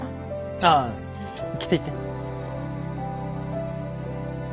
ああ着ていって。